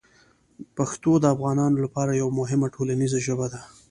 پښتو د افغانانو لپاره یوه مهمه ټولنیزه ژبه ده.